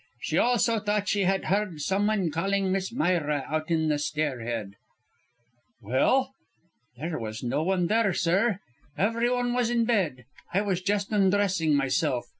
She also thought she had heard someone calling Miss Myra out on the stairhead." "Well?" "There was no one there, sir. Everyone was in bed; I was just undressing, myself.